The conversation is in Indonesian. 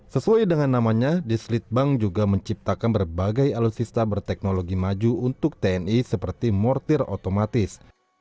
sesuai dengan namanya di selitbang juga menciptakan berbagai alat utama berteknologi maju untuk tni seperti mortir otomatis